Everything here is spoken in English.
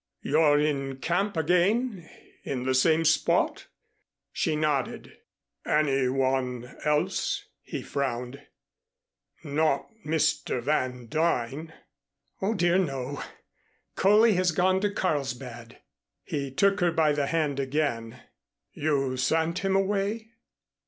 "You're in camp again in the same spot?" She nodded. "Any one else?" he frowned. "Not Mr. Van Duyn." "Oh, dear, no. Coley has gone to Carlsbad." He took her by the hand again. "You sent him away?"